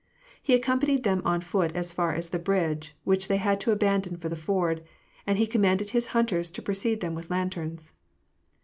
He accompanied them on foot as far as the bridge, which they had to abandon for the ford, and he commanded his hunters to precede them with lanterns.